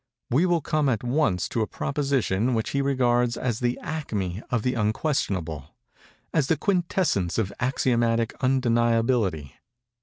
We will come at once to a proposition which he regards as the acme of the unquestionable—as the quintessence of axiomatic undeniability.